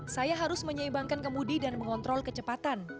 saya harus menyeimbangkan kemudi dan mengontrol kecepatan